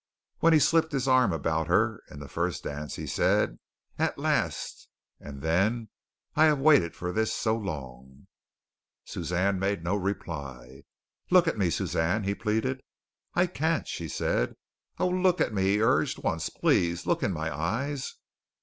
When he slipped his arm about her in the first dance he said, "At last!" And then: "I have waited for this so long." Suzanne made no reply. "Look at me, Suzanne," he pleaded. "I can't," she said. "Oh, look at me," he urged, "once, please. Look in my eyes."